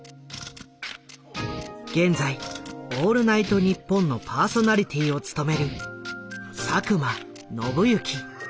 現在「オールナイトニッポン」のパーソナリティーを務める佐久間宣行。